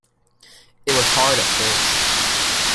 It was hard at first.